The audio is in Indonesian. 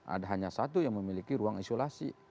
ada hanya satu yang memiliki ruang isolasi